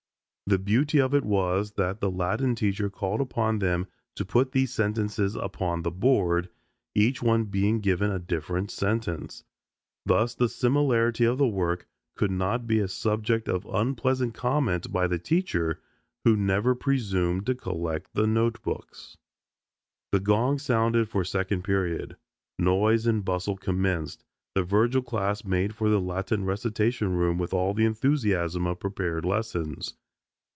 The beauty of it was that the Latin teacher called upon them to put these sentences upon the board, each one being given a different sentence. Thus the similarity of the work could not be a subject of unpleasant comment by the teacher who never presumed to collect the notebooks. The gong sounded for second period; noise and bustle commenced, the Virgil class made for the Latin recitation room with all the enthusiasm of prepared lessons.